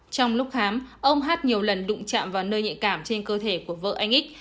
trong lúc khám ông hát nhiều lần đụng chạm vào nơi nhạy cảm trên cơ thể của vợ anh ích